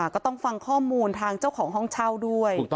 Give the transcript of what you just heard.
ก็ต้องฟังข้อมูลทางเจ้าของห้องเช่าด้วย